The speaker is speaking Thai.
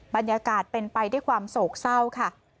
บรรยากาศเป็นไปด้วยความโศกเศร้าค่ะ